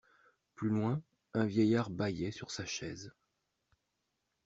Plus loin, un vieillard bâillait sur sa chaise.